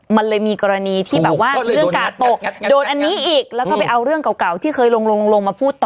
มันเลยมีกรณีที่แบบว่าเรื่องกาดตกโดนอันนี้อีกแล้วก็ไปเอาเรื่องเก่าที่เคยลงลงมาพูดต่อ